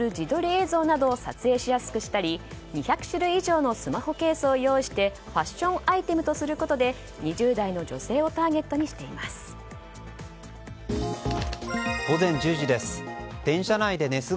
映像などを撮影しやすくしたり２００種類以上のスマホケースを用意してファッションアイテムとすることで２０代の女性を午前１０時です。